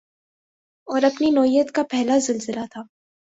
اور اپنی نوعیت کا پہلا زلزلہ تھا